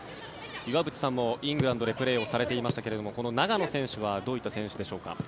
岩渕さんもイングランドでプレーをされていましたけどこの長野選手はどういった選手でしょうか。